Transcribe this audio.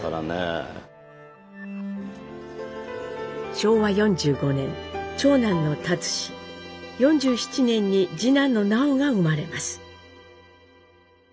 昭和４５年長男の立嗣４７年に次男の南朋が生まれます。